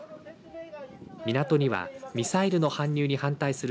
港にはミサイルの搬入に反対する